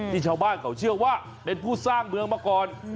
ชาวบ้านเขาเชื่อว่าเป็นผู้สร้างเมืองมาก่อน